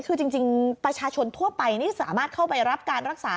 คือจริงประชาชนทั่วไปนี่สามารถเข้าไปรับการรักษา